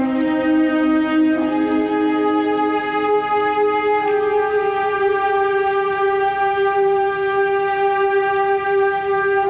kan kasih allah aku sendiri